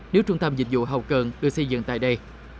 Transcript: nếu trung tâm dịch vụ hầu cận được xây dựng tại đây